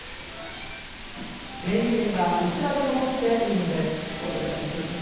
整理券はいくらでも取っていいんです。